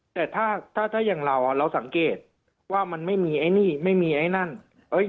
แต่ถ้าถ้าอย่างเราเราสังเกตว่ามันไม่มีไอ้นี่ไม่มีไอ้นั่น